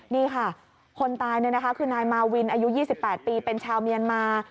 นี่ค่ะคนตายคือนายมาวินอายุ๒๘ปีเป็นชาวเมียนมา